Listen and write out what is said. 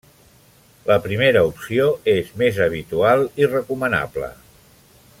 La primera opció és més habitual i recomanable.